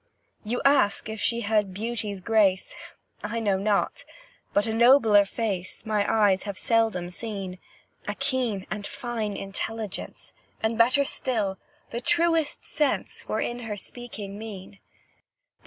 You ask if she had beauty's grace? I know not but a nobler face My eyes have seldom seen; A keen and fine intelligence, And, better still, the truest sense Were in her speaking mien.